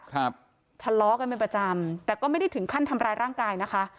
ทะเลาะกันเป็นประจำแต่ก็ไม่ได้ถึงขั้นทำร้ายร่างกายนะคะ